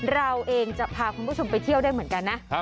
เราเองจะพาคุณผู้ชมไปเที่ยวได้เหมือนกันนะ